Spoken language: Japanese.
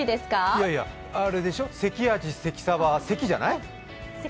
いやいや、あれでしょう、関あじ、関さば、「関」じゃない？